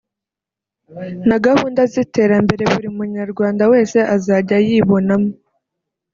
na gahunda z’iterambere buri munyarwanda wese azajya yibonamo